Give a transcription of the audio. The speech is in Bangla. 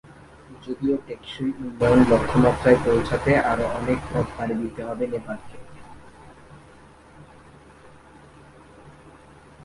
যদিও টেকসই উন্নয়ন লক্ষ্যমাত্রায় পৌঁছাতে আরো অনেক পথ পাড়ি দিতে হবে নেপালকে।